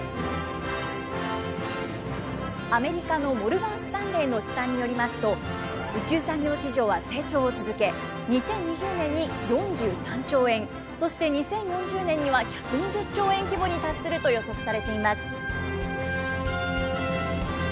アメリカのモルガン・スタンレーの試算によりますと、宇宙産業市場は成長を続け、２０２０年に４３兆円、そして２０４０年には１２０兆円規模に達すると予測されています。